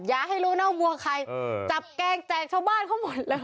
อย่าให้รู้นะว่าวัวใครจับแกงแจกชาวบ้านเขาหมดเลย